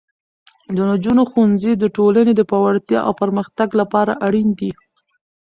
د نجونو ښوونځی د ټولنې پیاوړتیا او پرمختګ لپاره اړین دی.